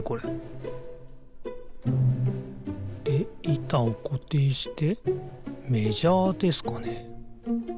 いたをこていしてメジャーですかね？